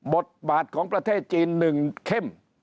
บทบาทของประเทศจีน๑เข้ม